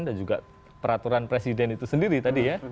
dan juga peraturan presiden itu sendiri tadi ya